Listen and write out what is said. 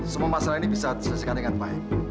semua masalah ini bisa diselesaikan dengan baik